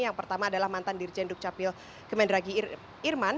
yang pertama adalah mantan dirjen dukcapil kemendagri irman